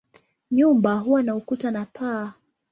Nyumba huwa na ukuta na paa.